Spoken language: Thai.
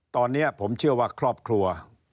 ตอนนี้ผมเชื่อว่าครอบครัว